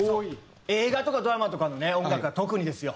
映画とかドラマとかのね音楽は特にですよ。